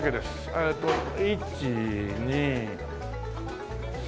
えっと１２３。